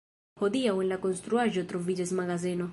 Hodiaŭ en la konstruaĵo troviĝas magazeno.